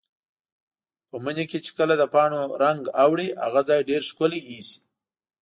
په مني کې چې کله د پاڼو رنګ اوړي، هغه ځای ډېر ښکلی ایسي.